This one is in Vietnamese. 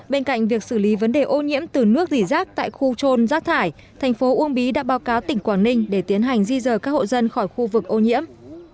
bên cạnh việc xử lý vấn đề ô nhiễm từ nước dỉ rác tại khu trôn rác thải thành phố uông bí đã báo cáo tỉnh quảng ninh để tiến hành di rời các hộ dân khỏi khu vực ô nhiễm